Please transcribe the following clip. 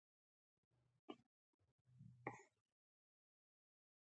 مدا چې کي جي بي مزايمت ونکي.